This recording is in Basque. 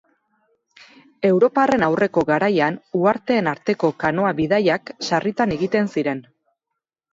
Europarren aurreko garaian, uharteen arteko kanoa bidaiak sarritan egiten ziren.